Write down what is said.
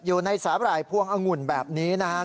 อยู่ในสาหร่ายพวงองุ่นแบบนี้นะครับ